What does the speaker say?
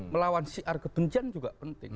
melawan siar kebencian juga penting